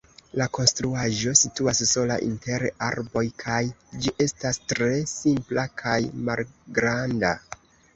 La konstruaĵo situas sola inter arboj kaj ĝi estas tre simpla kaj malgranda.